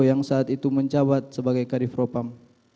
yang saat itu menjabat sebagai kadifropam